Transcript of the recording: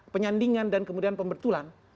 penyandingan dan kemudian pembentulan